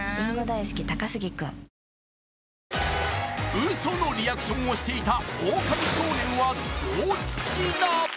ウソのリアクションをしていたオオカミ少年はどっちだ？